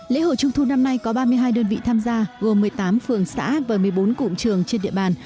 lễ hội trung thu năm nay có ba mươi hai đơn vị tham gia gồm một mươi tám phường xã và một mươi bốn cụm trường trên địa bàn